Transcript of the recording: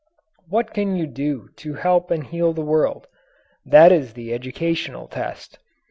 What can you do to help and heal the world? That is the educational test.